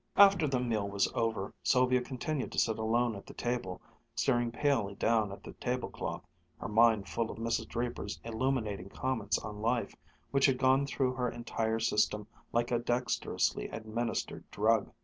After the meal was over, Sylvia continued to sit alone at the table, staring palely down at the tablecloth, her mind full of Mrs. Draper's illuminating comments on life, which had gone through her entire system like a dexterously administered drug.